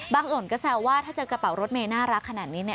บางส่วนก็แซวว่าถ้าเจอกระเป๋ารถเมล์น่ารักขนาดนี้